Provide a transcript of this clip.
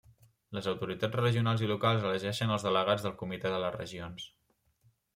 Les autoritats regionals i locals elegeixen els delegats del Comitè de les Regions.